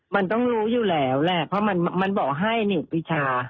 มันต้องรู้อยู่แล้วแหละเพราะมันบอกให้๑ปีชา